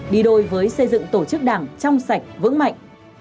đi đôi với xây dựng tổ chức đảng trong sạch vững mạnh